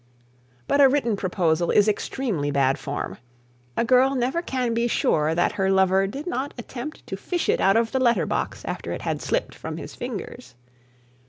But a written proposal is extremely bad form. A girl never can be sure that her lover did not attempt to fish it out of the letter box after it had slipped from his fingers.